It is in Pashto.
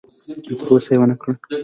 تر اوسه یې ونه کړه.